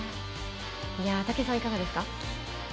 武井さん、いかがですか？